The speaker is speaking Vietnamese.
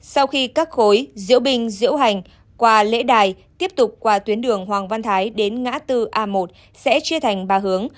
sau khi các khối diễu binh diễu hành qua lễ đài tiếp tục qua tuyến đường hoàng văn thái đến ngã tư a một sẽ chia thành ba hướng